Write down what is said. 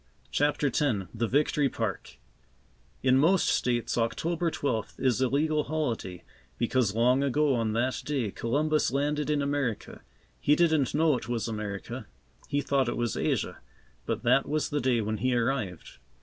CHAPTER X THE VICTORY PARK In most States October twelfth is a legal holiday, because long ago on that day, Columbus landed in America. He didn't know it was America; he thought it was Asia, but that was the day when he arrived.